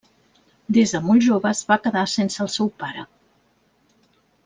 Des de molt jove es va quedar sense el seu pare.